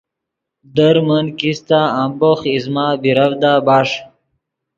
در من کیستہ امبوخ ایزمہ بیرڤدا بݰ